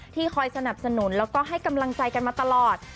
คอยสนับสนุนแล้วก็ให้กำลังใจกันมาตลอด